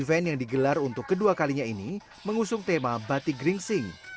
event yang digelar untuk kedua kalinya ini mengusung tema batik gringsing